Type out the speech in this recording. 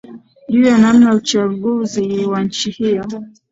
juu ya namna uchaguzi wa nchi hiyo